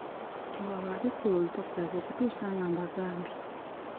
Tewaba abikkula olupapula lwe okutuusa nga mbagambye.